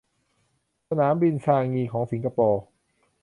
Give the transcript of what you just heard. สนามบินชางงีของสิงคโปร์